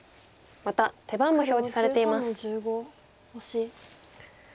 また手番も表示されています。